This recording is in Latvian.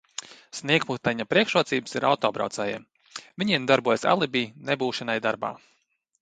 Sniegputeņa priekšrocības ir autobraucējiem, viņiem darbojas alibi nebūšanai darbā.